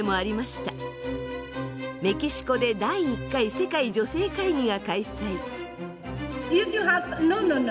メキシコで第１回世界女性会議が開催。